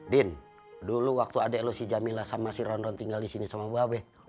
din dulu waktu adek lo si jamila sama si ronron tinggal disini sama buah be